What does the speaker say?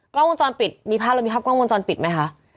กล้องวงจรปิดมีภาพเรามีภาพกล้องวงจรปิดไหมคะ